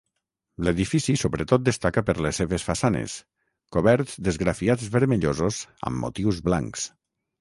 L'edifici sobretot destaca per les seves façanes, coberts d'esgrafiats vermellosos amb motius blancs.